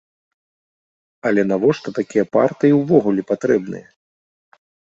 Але навошта такія партыі ўвогуле патрэбныя?